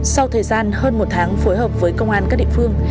sau thời gian hơn một tháng phối hợp với công an các địa phương